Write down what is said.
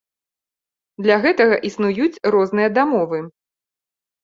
Для гэтага існуюць розныя дамовы.